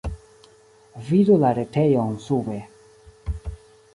Vidu la retejon sube.